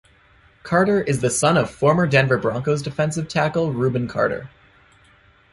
Carter is the son of former Denver Broncos defensive tackle Rubin Carter.